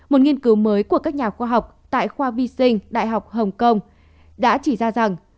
một nghiên cứu mới của các nhà khoa học tại khoa vi sinh đại học hồng kông đã chỉ ra rằng